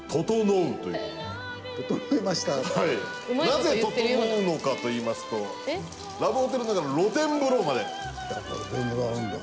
なぜととのうのかといいますとラブホテルながら露天風呂まで。